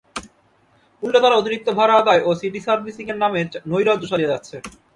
উল্টো তারা অতিরিক্ত ভাড়া আদায় ও সিটিং সার্ভিসের নামে নৈরাজ্য চালিয়ে যাচ্ছে।